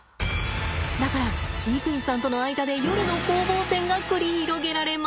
だから飼育員さんとの間で夜の攻防戦が繰り広げられます。